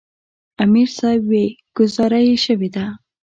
امیر صېب وې " ګذاره ئې شوې ده ـ